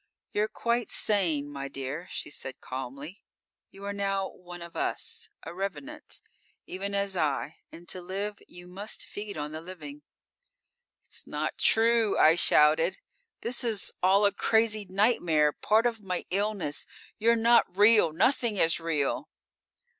_ _"You're quite sane, my dear," She said calmly. "You are now one of us; a revenant, even as I, and to live you must feed on the living."_ _"It's not true!" I shouted. "This is all a crazy nightmare, part of my illness! You're not real! Nothing is real!"